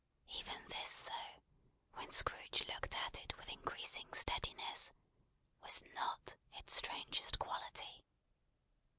Even this, though, when Scrooge looked at it with increasing steadiness, was not its strangest quality.